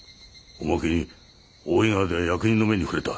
おまけに大井川では役人の目に触れた。